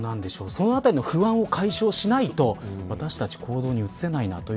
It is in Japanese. そのあたりの不安を解消しないと私たち、行動に移せないと。